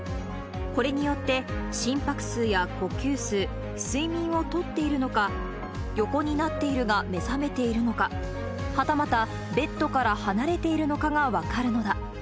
これによって、心拍数や呼吸数、睡眠を取っているのか、横になっているのか、目覚めているのか、はたまた、ベッドから離れているのかが分かるのだ。